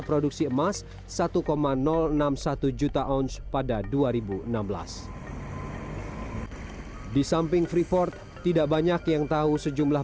produksi emas satu enam puluh satu juta ounce pada dua ribu enam belas di samping freeport tidak banyak yang tahu sejumlah